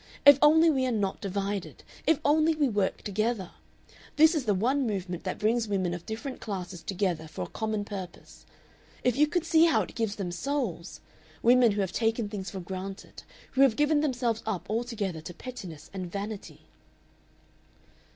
If only we are not divided. If only we work together. This is the one movement that brings women of different classes together for a common purpose. If you could see how it gives them souls, women who have taken things for granted, who have given themselves up altogether to pettiness and vanity...."